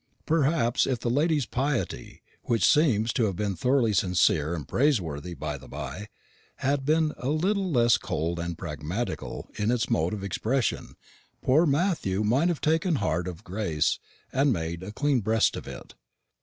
Perhaps if the lady's piety which seems to have been thoroughly sincere and praiseworthy, by the bye had been a little less cold and pragmatical in its mode of expression, poor Matthew might have taken heart of grace and made a clean breast of it.